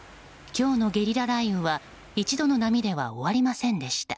今日のゲリラ雷雨は一度の波では終わりませんでした。